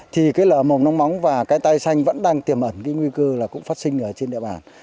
thì lở mồm nông móng và tai xanh vẫn đang tiềm ẩn nguy cơ cũng phát sinh trên địa bàn